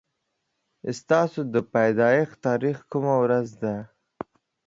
ستاسو د پيدايښت تاريخ کومه ورځ ده